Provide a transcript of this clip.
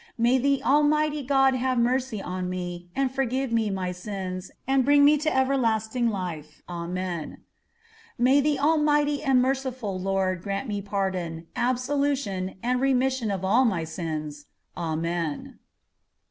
May the Almighty God have mercy on me, and forgive me my sins, and bring me to everlasting life. Amen. May the Almighty and merciful Lord grant me pardon, absolution, and remission of all my sins. Amen.